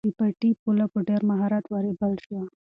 د پټي پوله په ډېر مهارت ورېبل شوه.